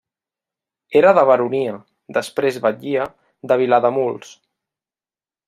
Era de baronia, després batllia, de Vilademuls.